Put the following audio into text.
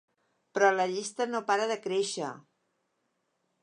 Però la llista no para de créixer.